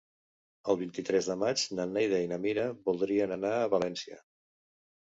El vint-i-tres de maig na Neida i na Mira voldrien anar a València.